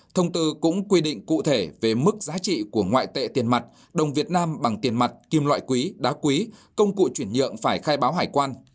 thông tư cũng quy định cụ thể về mức giá trị của ngoại tệ tiền mặt đồng việt nam bằng tiền mặt kim loại quý đá quý công cụ chuyển nhượng phải khai báo hải quan